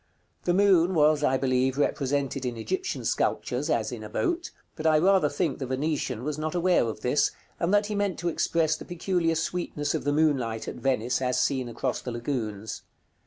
The moon was, I believe, represented in Egyptian sculptures as in a boat; but I rather think the Venetian was not aware of this, and that he meant to express the peculiar sweetness of the moonlight at Venice, as seen across the lagoons.